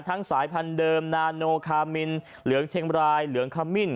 สายพันธุเดิมนาโนคามินเหลืองเชียงบรายเหลืองขมิ้น